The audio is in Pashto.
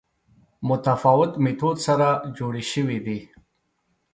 متفاوت میتود سره جوړې شوې دي